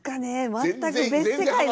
全く別世界の。